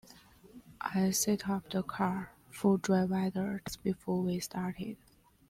I set up the car for dry weather just before we started.